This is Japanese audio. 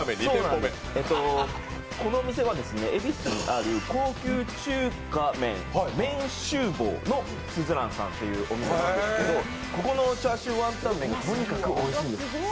このお店は、恵比寿にある高級中華麺酒房のすずらんさんというお店なんですけどここの叉焼雲呑麺がとにかくおいしいんです。